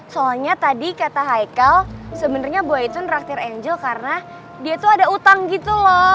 soalnya tadi kata heiko sebenernya boy itu ngeraktir angel karena dia tuh ada utang gitu loh